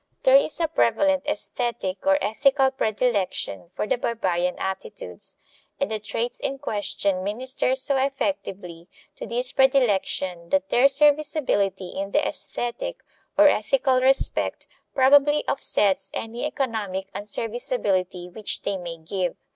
There is a prevalent aesthetic or ethical predilection for the barbarian aptitudes, and the traits in question minister so effectively to this predilection that their serviceability in the aesthetic or ethical respect probably offsets any economic unserviceability which they may give.